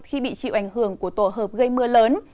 khi bị chịu ảnh hưởng của tổ hợp gây mưa lớn